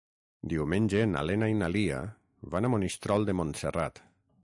Diumenge na Lena i na Lia van a Monistrol de Montserrat.